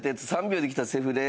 「３秒で来たセフレ」